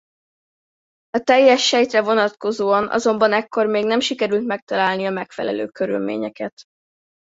A teljes sejtre vonatkozóan azonban ekkor még nem sikerült megtalálni a megfelelő körülményeket.